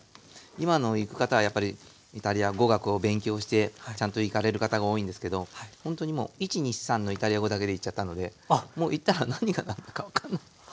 今の行く方はやっぱりイタリア語学を勉強してちゃんと行かれる方が多いんですけどほんとにもう１２３のイタリア語だけで行っちゃったのでもう行ったら何が何だか分かんない。